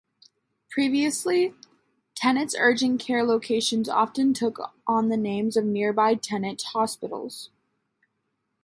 Previously, Tenet's urgent care locations often took on the names of nearby Tenet hospitals.